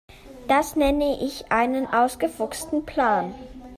Das nenne ich einen ausgefuchsten Plan.